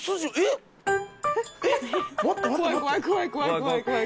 怖い怖い。